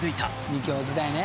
２強時代ね。